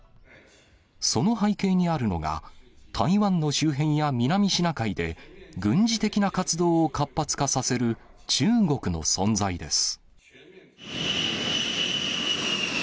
その背景にあるのが、台湾の周辺や南シナ海で、軍事的な活動を活発化させる中国の存在です。